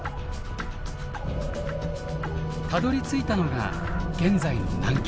たどりついたのが現在の南極。